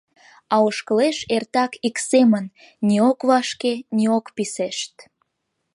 А ошкылеш эртак ик семын — ни ок вашке, ни ок писешт.